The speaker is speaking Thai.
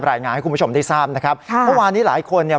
รายงานให้คุณผู้ชมได้ทราบนะครับค่ะเมื่อวานนี้หลายคนเนี่ย